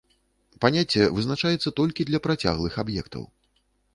Паняцце вызначаецца толькі для працяглых аб'ектаў.